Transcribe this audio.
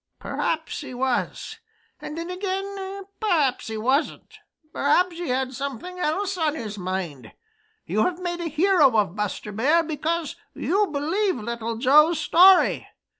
Perhaps he was, and then again perhaps he wasn't. Perhaps he had something else on his mind. You have made a hero of Buster Bear, because you believe Little Joe's story.